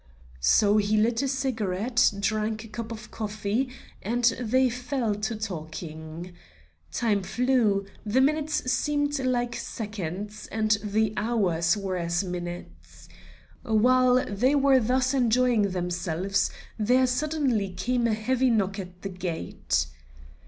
So he lit a cigarette, drank a cup of coffee, and they fell to talking. Time flew; the minutes seemed like seconds, and the hours were as minutes. While they were thus enjoying themselves there suddenly came a heavy knock at the gate.